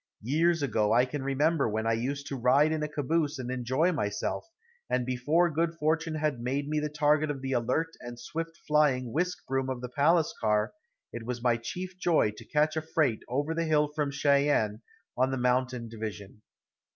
Years ago I can remember when I used to ride in a caboose and enjoy myself, and before good fortune had made me the target of the alert and swift flying whisk broom of the palace car, it was my chief joy to catch a freight over the hill from Cheyenne, on the Mountain division.